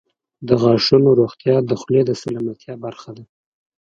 • د غاښونو روغتیا د خولې د سلامتیا برخه ده.